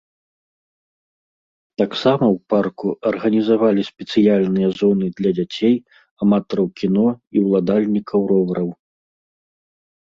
Таксама ў парку арганізавалі спецыяльныя зоны для дзяцей, аматараў кіно і ўладальнікаў ровараў.